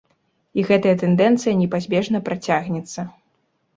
І гэтая тэндэнцыя непазбежна працягнецца.